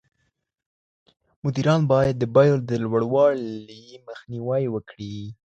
مدیران باید د بیو د لوړوالي مخنیوی وکړي.